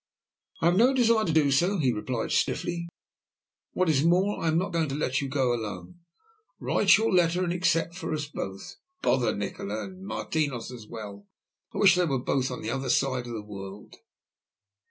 "I have no desire to do so," he replied stiffly. "What is more, I am not going to let you go alone. Write your letter and accept for us both. Bother Nikola and Martinos as well, I wish they were both on the other side of the world."